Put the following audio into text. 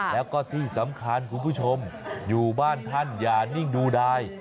แล้วก็ที่สำคัญคุณผู้ชมอยู่บ้านท่านอย่านิ่งดูดาย